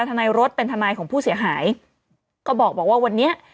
ทนายรถเป็นทนายของผู้เสียหายก็บอกว่าวันนี้